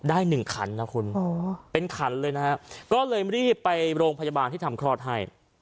หนึ่งขันนะคุณเป็นขันเลยนะฮะก็เลยรีบไปโรงพยาบาลที่ทำคลอดให้